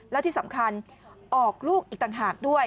แล้วที่สำคัญออกลูกอีกต่างหากด้วย